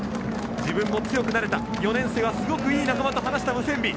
自分も強くなれた４年生はすごくいい仲間と話したムセンビ。